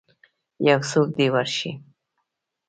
یوڅوک دی ورشئ